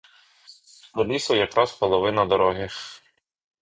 До лісу якраз половина дороги.